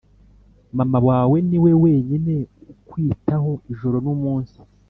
mama wawe niwe wenyine ukwitaho ijoro numunsi